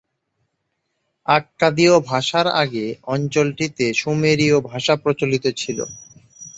আক্কাদীয় ভাষার আগে অঞ্চলটিতে সুমেরীয় ভাষা প্রচলিত ছিল।